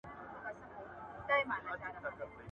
تصویب سوی قانون چیرته لیږل کېږي؟